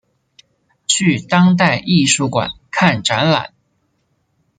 去当代艺术馆看展览